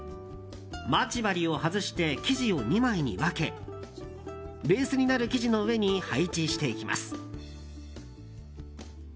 まち針を外して生地を２枚に分けベースになる生地の上に配置していきます。